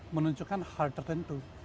menunjukkan hal tertentu